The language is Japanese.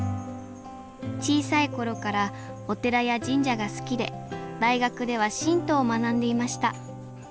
小さい頃からお寺や神社が好きで大学では神道を学んでいました。